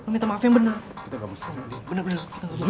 minta maaf yang bener